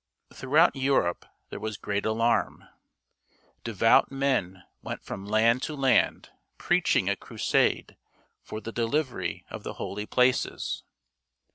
Throughout Europe there was great alarm. Devout men went from land to land preaching a crusade for the delivery of the holy places.